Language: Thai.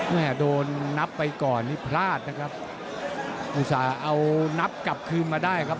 โดนนับไปก่อนนี่พลาดนะครับอุตส่าห์เอานับกลับคืนมาได้ครับ